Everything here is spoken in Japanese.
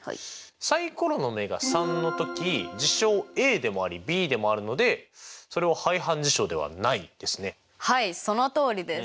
サイコロの目が３の時事象ＡでもありＢでもあるのでそれははいそのとおりです。